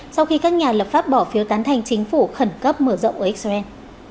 sau khi các nhà lập pháp bỏ phiếu tán thành chính phủ khẩn cấp mở rộng ở israel